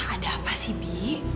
ada apa sih bi